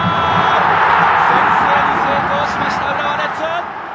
先制に成功しました浦和レッズ！